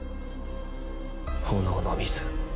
炎の水。